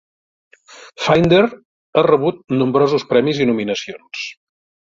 Finder ha rebut nombrosos premis i nominacions.